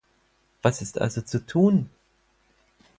Was ist also zu tun?